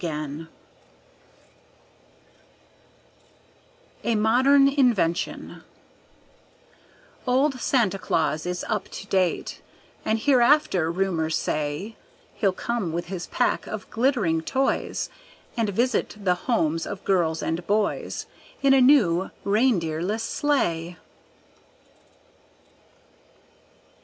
A Modern Invention Old Santa Claus is up to date, And hereafter, rumors say, He'll come with his pack of glittering toys, And visit the homes of girls and boys, In a new reindeerless sleigh.